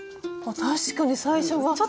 確かに最初が。